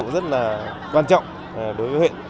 rất là quan trọng đối với huyện